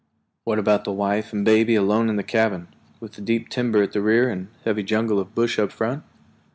What about the wife and baby alone in the cabin, with the deep timber at the rear and a heavy jungle of brush in front?